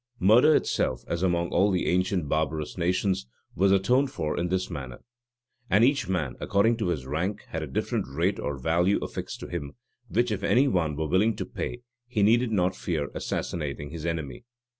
Murder itself, as among all the ancient barbarous nations, was atoned for in this manner; and each man, according to his rank, had a different rate or value affixed to him, which if any one were willing to pay, he needed not fear assassinating his enemy.